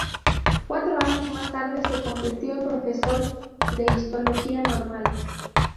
Cuatro años más tarde se convirtió en profesor de Histología Normal.